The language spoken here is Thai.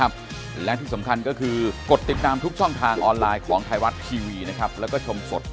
อันนี้ผมก็รับผิดชอบตรงนี้อยู่แล้วไม่มีปัญหาครับ